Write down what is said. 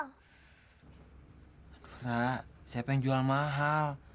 nah siapa yang jual mahal